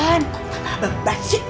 kok tambah beban sih